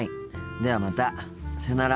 ではまたさよなら。